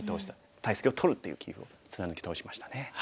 大石を取るっていう棋風を貫き通しましたね。